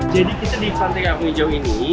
jadi kita di panti kampung hijau ini